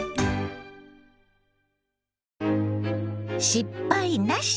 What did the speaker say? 「失敗なし！